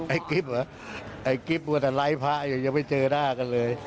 ไอ้กริฟต์เหรอไอ้กริฟต์มัวแต่ไร้พระอยู่ยังไม่เจอหน้ากันเลย